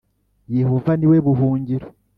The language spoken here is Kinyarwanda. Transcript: Yehova ni we buhungiro